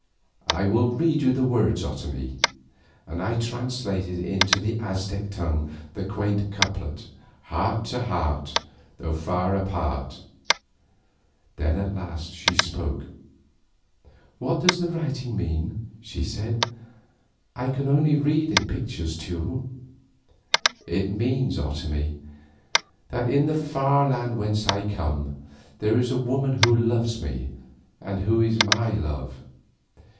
"I will read you the words, Otomie," and I translated into the Aztec tongue the quaint couplet: Heart to heart, Though far apart. Then at last she spoke. "What does the writing mean?" she said. "I can only read in pictures, Teule." "It means, Otomie, that in the far land whence I come, there is a woman who loves me, and who is my love."